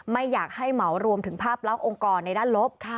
ไม่อยากให้เหมารวมถึงภาพลักษณ์องค์กรในด้านลบ